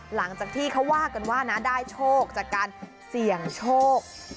หลังจากที่เขาว่ากันว่านะได้โชคจากการเสี่ยงโชค